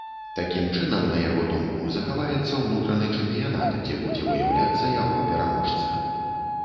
Такім чынам, на яго думку, захаваецца ўнутраны чэмпіянат, дзе будзе выяўляцца яго пераможца.